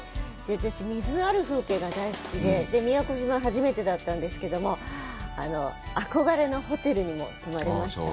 私、水のある風景が大好きで、宮古島、初めてだったんですけども、憧れのホテルにも泊まれました。